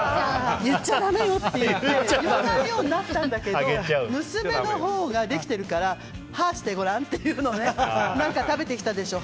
言っちゃだめよって言って言わないようになったんだけど娘のほうができてるからはーしてごらんって何か食べてきたでしょ。